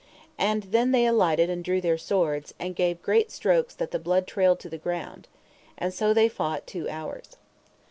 And then they alighted and drew their swords, and gave great strokes that the blood trailed to the ground. And so they fought two hours.